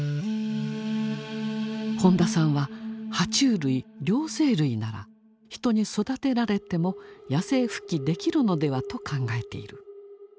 本田さんはは虫類両生類なら人に育てられても野生復帰できるのではと考えている。